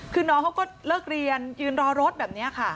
คือน้องเขาก็เลิกเรียนยืนรอรถแบบนี้ค่ะ